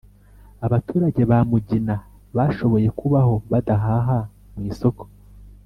abaturage ba Mugina bashoboye kubaho badahaha mu isoko